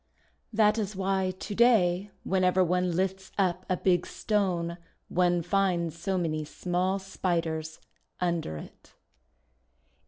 That is why to day, whenever one lifts up a big Stone, one finds so many small Spiders under it.